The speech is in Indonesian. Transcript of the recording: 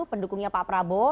pendukungnya pak prabowo